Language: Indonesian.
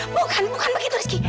bukan bukan begitu rizky